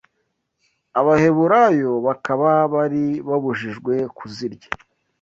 Abaheburayo bakaba bari babujijwe kuzirya